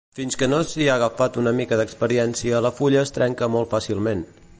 Fins que no s'hi ha agafat una mica d'experiència la fulla es trenca molt fàcilment.